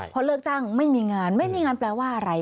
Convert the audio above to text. พอเลิกจ้างไม่มีงานไม่มีงานแปลว่าอะไร